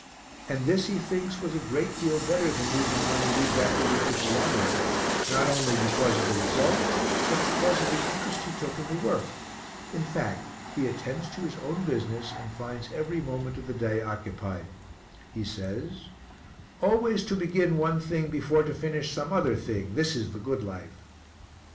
And this he thinks was a great deal better than losing money week after week in the lottery, not only because of the result, but because of the interest he took in the work. In fact, he attends to his own business and finds every moment of the day occupied. He says "Always to begin one thing before to finish some other thing, this is the good life."